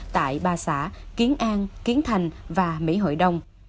tại ba xã kiến an kiến thành và mỹ hội đồng